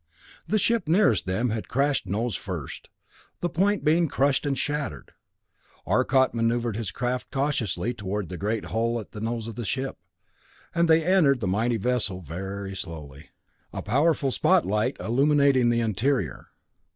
The ship nearest them had crashed nose first, the point being crushed and shattered. Arcot maneuvered his craft cautiously toward the great hole at the nose of the ship, and they entered the mighty vessel slowly, a powerful spotlight illuminating the interior.